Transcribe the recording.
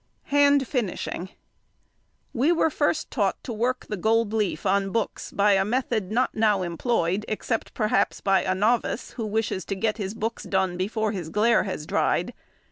HAND FINISHING.—We were first taught to work the gold leaf on books by a method not now employed, except, perhaps, by a novice, who wishes to get his books done before his glaire has dried.